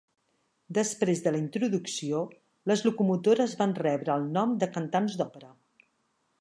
Després de la introducció, les locomotores van rebre el nom de cantants d'òpera.